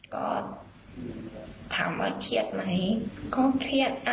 ก็ถามว่าเครียดไหมก็เครียด